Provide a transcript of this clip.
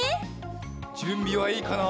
じゅんびはいいかな？